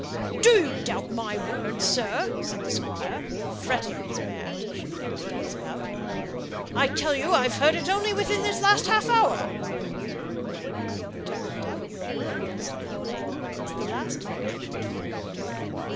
"Do you doubt my word, sir?" said the Squire, fretting his mare till she began to dance about. "I tell you I've heard it only within this last half hour." "I don't mean to doubt your word, Mr. Hamley; it's the last thing I should think of doing.